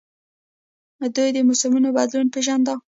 دوی د موسمونو بدلون پیژانده